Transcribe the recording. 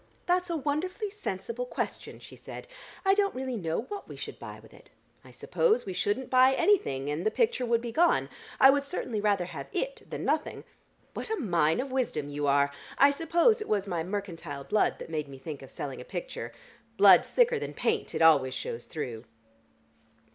"That's a wonderfully sensible question," she said. "I don't really know what we should buy with it. I suppose we shouldn't buy anything, and the picture would be gone. I would certainly rather have it than nothing! What a mine of wisdom you are! I suppose it was my mercantile blood that made me think of selling a picture. Blood's thicker than paint.... It always shows through."